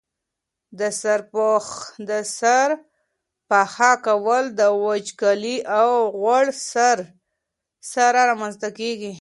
د سر پخه کول د وچوالي او غوړ سره رامنځته کیږي.